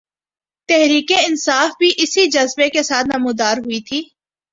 تحریک انصاف بھی اسی جذبے کے ساتھ نمودار ہوئی تھی۔